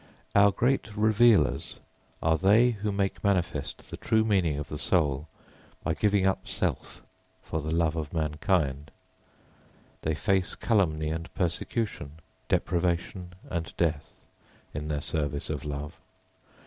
Our great Revealers are they who make manifest the true meaning of the soul by giving up self for the love of mankind. They face calumny and persecution, deprivation and death in their service of love.